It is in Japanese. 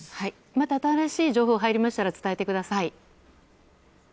また新しい情報が入りましたら伝えてください。